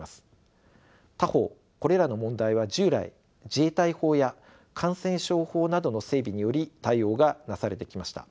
他方これらの問題は従来自衛隊法や感染症法などの整備により対応がなされてきました。